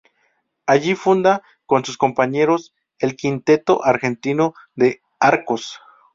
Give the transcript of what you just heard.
Allí funda con sus compañeros el Quinteto Argentino de Arcos.